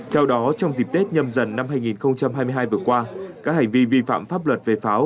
theo đó trong dịp tết nhâm dần năm hai nghìn hai mươi hai vừa qua các hành vi vi phạm pháp luật về pháo